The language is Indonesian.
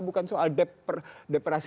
bukan soal dep per